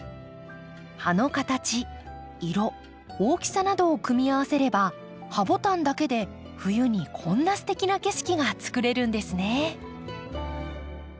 葉の形色大きさなどを組み合わせればハボタンだけで冬にこんなすてきな景色がつくれるんですね。